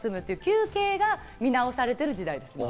休憩が見直されてる時代です。